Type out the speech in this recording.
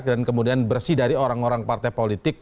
dan kemudian bersih dari orang orang partai politik